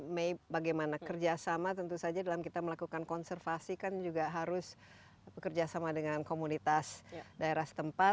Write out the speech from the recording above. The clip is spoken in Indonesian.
may bagaimana kerjasama tentu saja dalam kita melakukan konservasi kan juga harus bekerja sama dengan komunitas daerah setempat